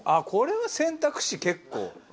これは選択肢結構。